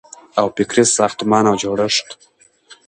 او فکري ساختمان او جوړښت